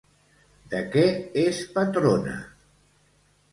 De què és patrona?